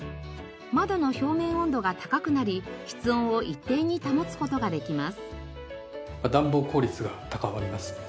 窓の表面温度が高くなり室温を一定に保つ事ができます。